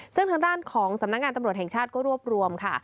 ซึ่งทางด้านของสำนักงานตำรวจแห่งชาติก็รวบรวมค่ะ